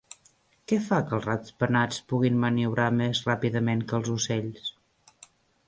Què fa que els ratpenats puguin maniobrar més ràpidament que els ocells?